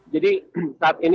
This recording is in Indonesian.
jadi saat ini